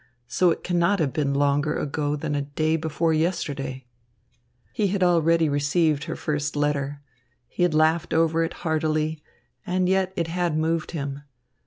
So it cannot have been longer ago than day before yesterday." He had already received her first letter. He had laughed over it heartily, and yet it had moved him.